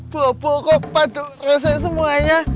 bobo kok paduk rosak semuanya